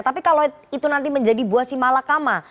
tapi kalau itu nanti menjadi buah si malakama